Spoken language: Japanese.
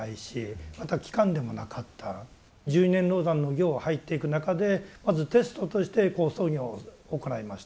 十二年籠山の行を入っていく中でまずテストとして好相行を行いました。